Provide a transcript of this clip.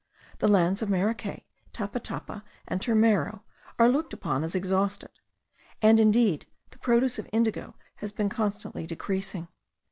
The lands of Maracay, Tapatapa, and Turmero, are looked upon as exhausted; and indeed the produce of indigo has been constantly decreasing.